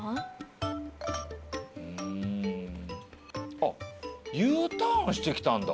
あＵターンしてきたんだ。